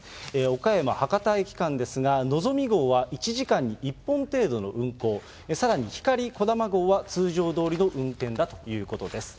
岡山・博多駅間ですが、のぞみ号は１時間に１本程度の運行、さらに、ひかり、こだま号は通常どおりの運転だということです。